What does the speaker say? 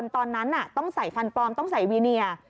ตอนนั้นต้องใส่ฟันปลอมต้องใส่วีเนีย